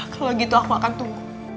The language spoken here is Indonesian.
kalau gitu aku akan tunggu